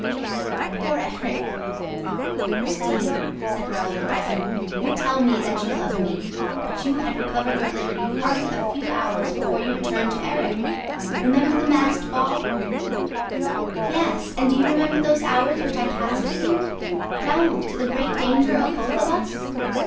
Poor Erik!" "Christine," said Raoul, rising, "you tell me that you love me; but you had recovered your liberty hardly a few hours before you returned to Erik! Remember the masked ball!" "Yes; and do you remember those hours which I passed with you, Raoul ... to the great danger of both of us?"